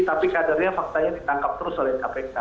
tapi kadernya faktanya ditangkap terus oleh kpk